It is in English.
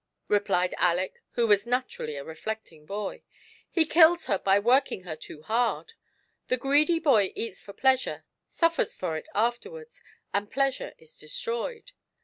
replied Aleck, who was naturally a reflecting boy. " He kills her by working her too hard. The greedy boy eats for pleasure, sufiers for it afterwards, and pleasure is destroyed.